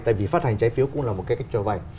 tại vì phát hành trái phiếu cũng là một cái cách cho vay